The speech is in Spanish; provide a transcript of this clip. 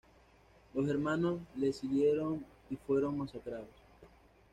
Los germanos les siguieron y fueron masacrados.